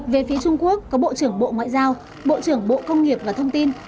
về phía trung quốc có bộ trưởng bộ ngoại giao bộ trưởng bộ công nghiệp và thông tin